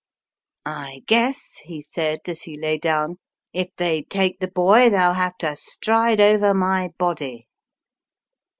*^I guess,'' he said, as he lay down, "if they take the boy they'll have to stride over my body."